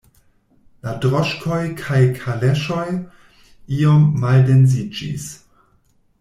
La droŝkoj kaj kaleŝoj iom maldensiĝis.